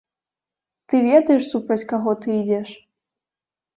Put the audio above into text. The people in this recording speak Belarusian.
Ты ведаеш, супроць каго ты ідзеш?